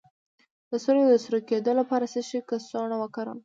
د سترګو د سره کیدو لپاره د څه شي کڅوړه وکاروم؟